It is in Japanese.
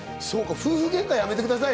夫婦げんかはやめてください